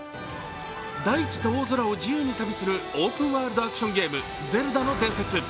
大地と大空を自由に旅するオープンワールドアクションゲーム、「ゼルダの伝説」。